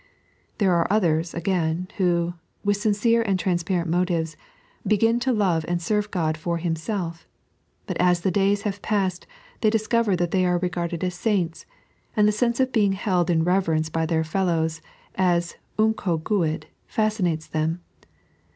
There are others, again, who, with sincere and trans parent motives, began to love and serve God for Himself ; but as the days have passed they discover that they are regarded as saints, and the sense of being held in reverence by their fellows as " unco' guid " fascinates them.